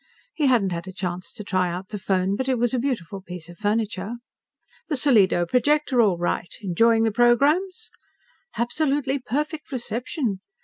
He hadn't had a chance to try out the phone, but it was a beautiful piece of furniture. "The Solido projector all right? Enjoying the programs?" "Absolutely perfect reception."